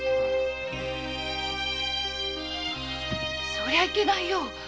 そりゃいけないよ。